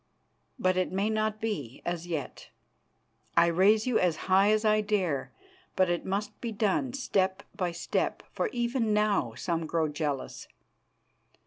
But it may not be as yet. I raise you as high as I dare, but it must be done step by step, for even now some grow jealous.